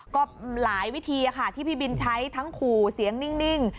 ก็หลายวิธีค่ะที่พี่บินใช้ทั้งขู่เสียงนิ่ง